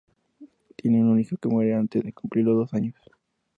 Tienen un hijo que muere antes de cumplir los dos años.